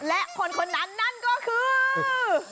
และคนนั้นก็คือ